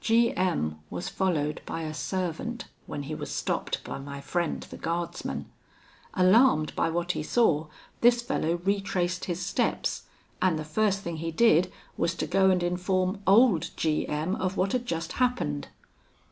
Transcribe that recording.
"G M was followed by a servant, when he was stopped by my friend the guardsman. Alarmed by what he saw, this fellow retraced his steps, and the first thing he did was to go and inform old G M of what had just happened.